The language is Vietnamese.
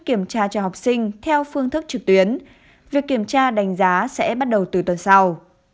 kiểm tra cho học sinh theo phương thức trực tuyến việc kiểm tra đánh giá sẽ bắt đầu từ tuần sau